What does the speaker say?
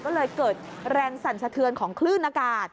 ก็เลยเกิดแรงสั่นสะเทือนของคลื่นอากาศ